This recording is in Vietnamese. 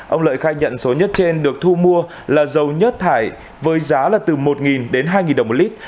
ông lợi khai nhận số nhất trên được thu mua là dầu nhớt thải với giá là từ một đến hai đồng một lít